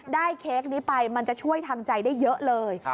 เค้กนี้ไปมันจะช่วยทำใจได้เยอะเลย